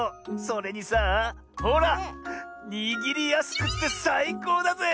それにさあほらにぎりやすくってさいこうだぜ！